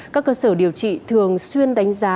các cơ sở điều trị thường xuyên đánh giá